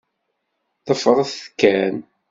Ḍefṛet-t kan.